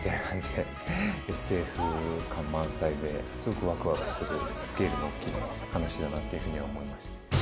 ＳＦ感満載ですごくワクワクするスケールの大きな話だなっていうふうには思いました。